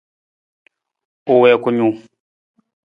U wii kunung.